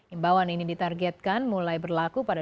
imbawan ini ditargetkan mulai berlaku pada dua ribu dua puluh